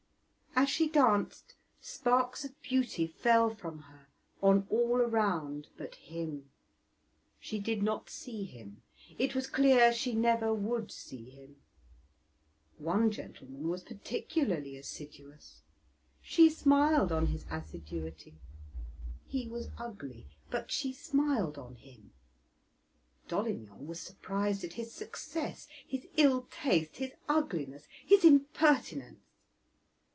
As she danced sparks of beauty fell from her on all around but him; she did not see him; it was clear she never would see him. One gentleman was particularly assiduous; she smiled on his assiduity; he was ugly, but she smiled on him. Dolignan was surprised at his success, his ill taste, his ugliness, his impertinence.